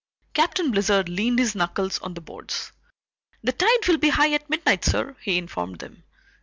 Captain Blizzard leaned his knuckles on the boards. "The tide will be high at midnight, sir," he informed them.